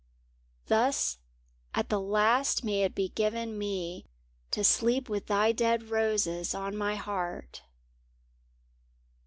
Thus at the last may it be given me To sleep with thy dead roses on my heart.